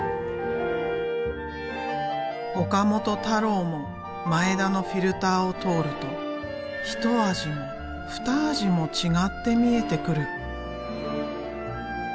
岡本太郎も前田のフィルターを通るとひと味もふた味も違って見えてくる。